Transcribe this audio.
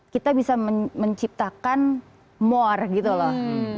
kita bisa menciptakan more gitu loh